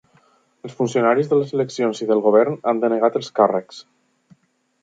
Els funcionaris de les eleccions i del govern han denegat els càrrecs.